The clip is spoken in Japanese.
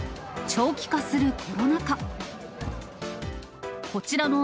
長期化するコロナ禍。